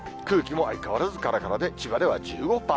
空気も相変わらずからからで、千葉では１５％。